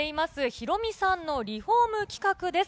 ヒロミさんのリフォーム企画です。